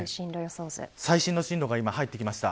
最新の進路が今、入ってきました。